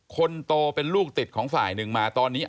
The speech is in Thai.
คนโตเป็นลูกติดของฝ่ายหนึ่งมาตอนนี้